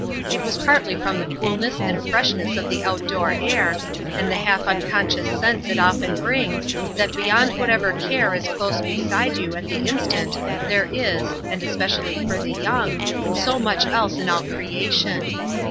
It was partly from the coolness and freshness of the out door air, and the half unconscious sense it often brings, that beyond whatever care is close beside you at the instant there is and especially for the young so much else in all creation.